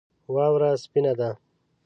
واوره سپینه ده